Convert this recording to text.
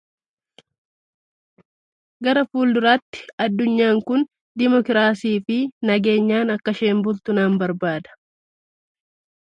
Gara fuulduraatti addunyaan kun diimokraasii fi nageenyaan akkasheen bultu nan barbaada.